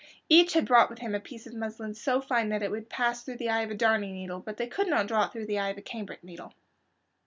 Each had brought with him a piece of muslin so fine that it would pass through the eye of a darning needle, but they could not draw it through the eye of a cambric needle.